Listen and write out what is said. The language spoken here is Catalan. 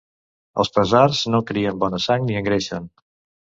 Els pesars no crien bona sang ni engreixen.